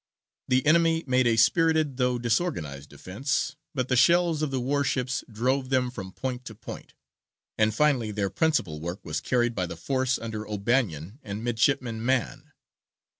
The enemy made a spirited though disorganized defence, but the shells of the war ships drove them from point to point, and finally their principal work was carried by the force under O'Bannon and Midshipman Mann.